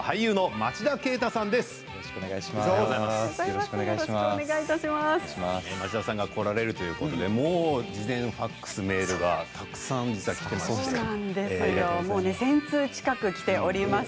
町田さんが来られるということで、もう事前ファックスメールがたくさん来ています。